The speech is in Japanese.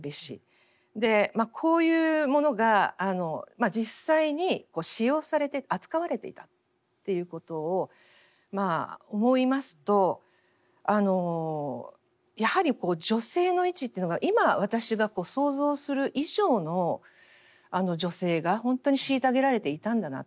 こういうものが実際に使用されて扱われていたっていうことを思いますとやはり女性の位置っていうのが今私が想像する以上の女性が本当に虐げられていたんだなと。